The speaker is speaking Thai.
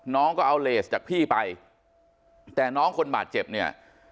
น้องก็เอาเลสจากพี่ไปแต่น้องคนบาดเจ็บเนี่ย